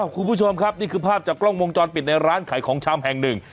คุณผู้ชมครับนี่คือภาพจากกล้องวงจรปิดในร้านขายของชำแห่งหนึ่ง